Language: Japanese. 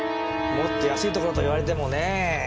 もっと安いところと言われてもねぇ。